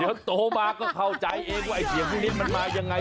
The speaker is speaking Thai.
เดี๋ยวโตมาเข้าใจเอ๊ะว่าเสียงรีบมันมายังไง